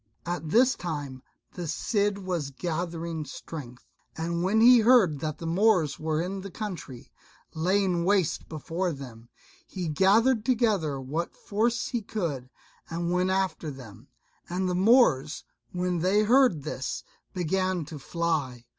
At this time the Cid was gathering strength; and when he heard that the Moors were in the country, laying waste before them, he gathered together what force he could, and went after them; and the Moors, when they heard this, began to fly.